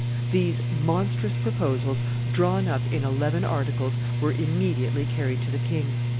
These monstrous proposals, drawn up in eleven articles, were immediately carried to the king.